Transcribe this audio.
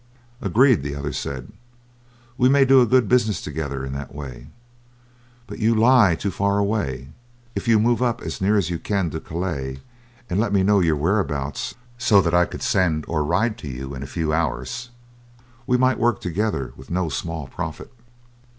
"Agreed!" the other said. "We may do a good business together in that way. But you lie too far away. If you move up as near as you can to Calais and let me know your whereabouts, so that I could send or ride to you in a few hours, we might work together with no small profit."